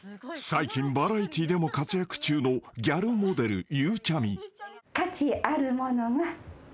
［最近バラエティーでも活躍中のギャルモデル］